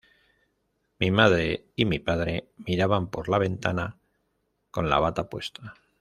Mi madre y mi padre miraban por la ventana con la bata puesta.